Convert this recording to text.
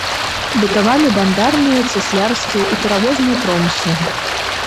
Бытавалі бандарныя, цяслярскія і перавозныя промыслы.